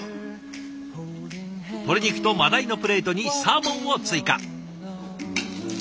鶏肉と真鯛のプレートにサーモンを追加。